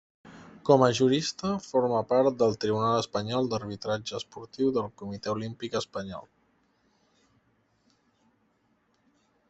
Com a jurista, forma part del Tribunal Espanyol d'Arbitratge Esportiu del Comitè Olímpic Espanyol.